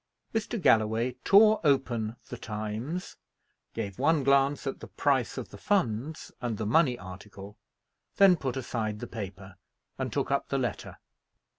Mr. Galloway tore open the Times, gave one glance at the price of the funds and the money article, then put aside the paper, and took up the letter.